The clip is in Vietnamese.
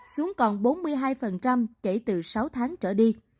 xuống còn bốn mươi hai kể từ sáu tháng trở đi